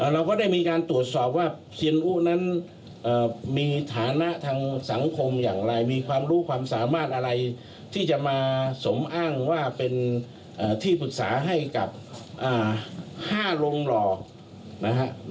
เราก็ได้มีการตรวจสอบว่าเซียนอุนั้นมีฐานะทางสังคมอย่างไรมีความรู้ความสามารถอะไรที่จะมาสมอ้างว่าเป็นที่ปรึกษาให้กับ๕โรงหล่อนะฮะ